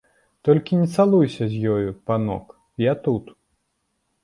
Толькі не цалуйся з ёю, панок, я тут.